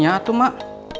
iya atuh mak